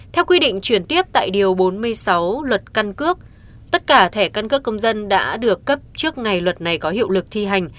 theo quy định chuyển tiếp tại điều bốn mươi sáu luật căn cước tất cả thẻ căn cước công dân đã được cấp trước ngày luật này có hiệu lực thi hành